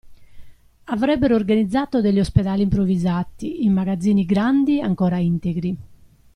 Avrebbero organizzato degli ospedali improvvisati, in magazzini grandi e ancora integri.